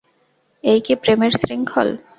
এই কি প্রেমের শৃঙ্খল?